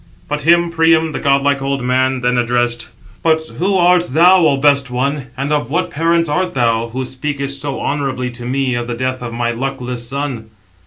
But him Priam, the godlike old man, then answered: "But who art thou, O best one, and of what parents art thou, who speakest so honourably to me of the death of my luckless son?"